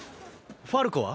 ファルコは？